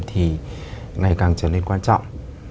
thì ngày càng trở nên quan trọng